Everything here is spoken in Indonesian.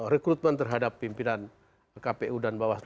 rekrutmen terhadap pimpinan kpu dan bawaslu